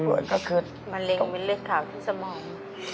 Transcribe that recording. ป่วยก็คือมะเร็งมิดเล็กขาวที่สมอง